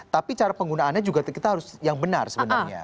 tapi cara penggunaannya juga kita harus yang benar sebenarnya